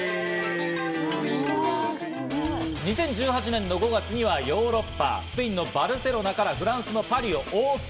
２０１８年５月にはヨーロッパ、スペイン・バルセロナからフランスのパリを往復。